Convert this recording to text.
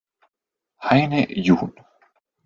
Heine jun.